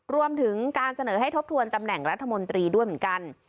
รวมถึงการเสนอให้ทบทวนตำแหน่งรัฐมนตรีด้วยเหมือนกัน